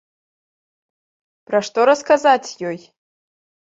Пра што расказаць ёй?